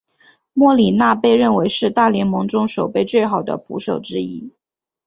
莫里纳被认为是大联盟中守备最好的捕手之一。